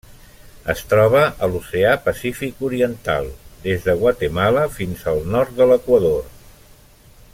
Es troba a l'Oceà Pacífic oriental: des de Guatemala fins al nord de l'Equador.